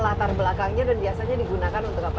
latar belakangnya dan biasanya digunakan untuk apa